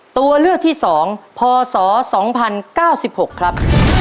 ตัวเลือกที่สองพศสองพันเก้าสิบหกครับ